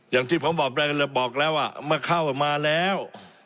อย่างที่ผมบอกได้บอกแล้วว่าเมื่อเข้ามาแล้ว